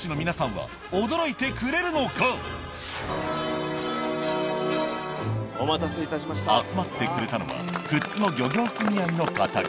果たしてお待たせいたしました集まってくれたのは富津の漁業組合の方々